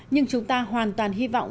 nhưng chúng ta hoàn toàn hy vọng